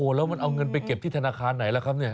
แล้วมันเอาเงินไปเก็บที่ธนาคารไหนล่ะครับเนี่ย